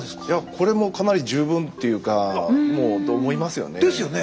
これもかなり十分ていうかと思いますよね。ですよね。